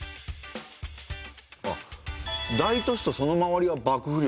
あっ大都市とその周りは幕府領っすね。